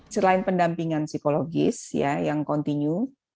selain pendampingan psikologis yang kontinu